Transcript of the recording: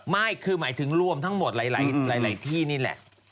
ไม่คือหมายถึงรวมทั้งหมดหลายที่นี่แหละ